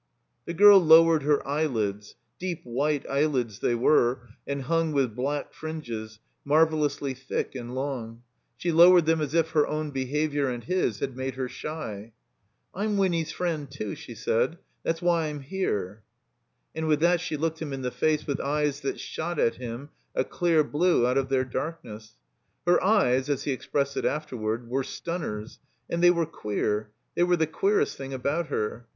The girl lowered her eyelids (deep white eyelids they were, and htmg with black fringes, marvelously thick and long); she lowered them as if her own behavior and his had made her shy. "I'm Winny's friend, too," she said. "That's why I'm here." And with that she looked him in the face with eyes that shot at him a clear blue out of their darkness. Her eyes, as he expressed it afterward, were "stun ners," and they were "queer"; they were the "queer est" thing about her.